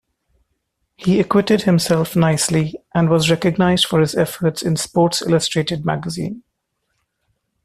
He acquitted himself nicely and was recognized for his efforts in "Sports Illustrated" magazine.